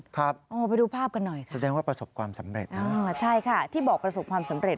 อ๋อไปดูภาพกันหน่อยค่ะใช่ค่ะที่บอกประสบความสำเร็จ